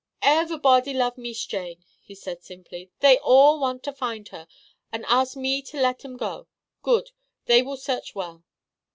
"Ever'bod' love Mees Jane," he said simply. "They all want to find her, an' ask me to let 'em go. Good. They will search well."